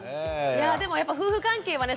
いやぁでもやっぱ夫婦関係はね